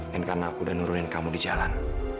dan karena aku sudah nurunin kamu di jalan